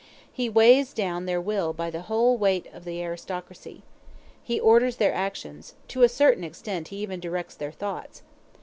He weighs down their will by the whole weight of the aristocracy. He orders their actions to a certain extent he even directs their thoughts.